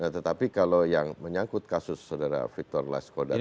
tetapi kalau yang menyangkut kasus saudara victor las kodak ini